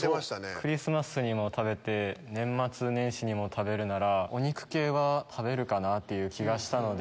クリスマスにも食べて年末年始にも食べるならお肉系は食べるかなっていう気がしたので。